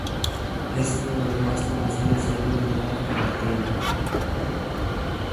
Es uno de los más conocidos sellos de la filatelia.